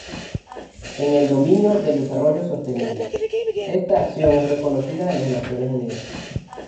En el dominio del desarrollo sostenible, esta acción es reconocida en las Naciones Unidas.